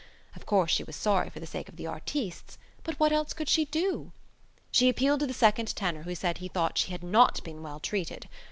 Of course she was sorry for the sake of the artistes. But what else could she do? She appealed to the second tenor who said he thought she had not been well treated.